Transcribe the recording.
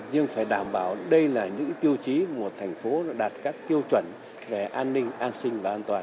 nhưng phải đảm bảo đây là những tiêu chí một thành phố đạt các tiêu chuẩn về an ninh an sinh và an toàn